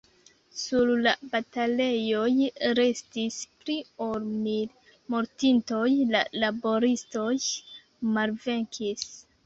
Sur la batalejoj restis pli ol mil mortintoj; la laboristoj malvenkis.